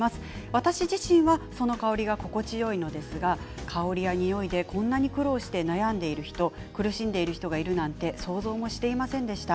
私自身がその香りが心地よいのですが香りやにおいでこんなに苦労して悩んでいる人苦しんでいる人がいるなんて想像もしていませんでした。